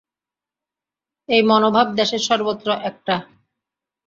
এই মনোভাব দেশের সর্বত্র প্রকট।